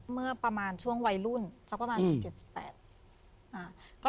เมื่อประมาณช่วงวัยรุ่นสักประมาณ๑๗๑๘